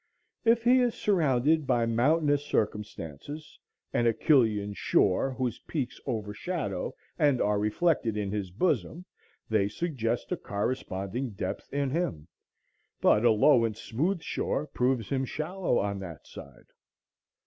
If he is surrounded by mountainous circumstances, an Achillean shore, whose peaks overshadow and are reflected in his bosom, they suggest a corresponding depth in him. But a low and smooth shore proves him shallow on that side.